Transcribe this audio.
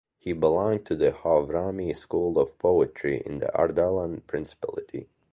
He belonged to the Hawrami school of poetry in the Ardalan principality.